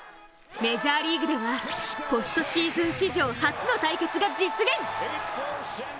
メジャーリーグでは、ポストシーズン史上初の対決が実現。